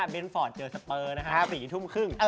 เบนฟอร์ตเจอสเตอร์นะครับ๔ทุ่มครึ่ง